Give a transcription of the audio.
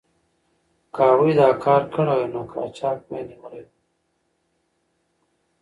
که هغوی دا کار کړی وای، نو قاچاق به یې نیولی وای.